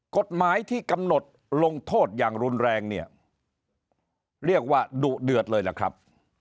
กฎหมายที่กำหนดลงโทษอย่างรุนแรงเนี่ยเรียกว่าดุเดือดเลยล่ะครับ